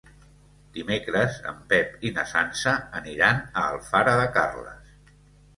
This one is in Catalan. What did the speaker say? Dimecres en Pep i na Sança aniran a Alfara de Carles.